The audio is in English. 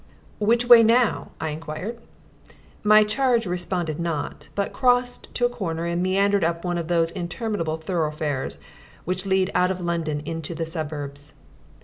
"Which way now?" I inquired. My charge responded not, but crossed to a corner and meandered up one of those interminable thoroughfares which lead out of London into the suburbs.